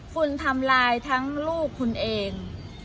คุณทำลายทั้งลูกคุณเอง